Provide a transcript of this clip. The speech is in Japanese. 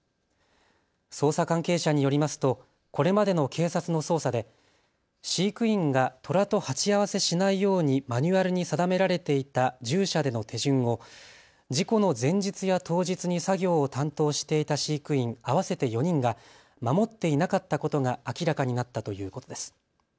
捜査関係者によりますとこれまでの警察の捜査で飼育員がトラと鉢合わせしないようにマニュアルに定められていた獣舎での手順を事故の前日や当日に作業を担当していた飼育員合わせて４人が守っていなかったことが明らかになったということです。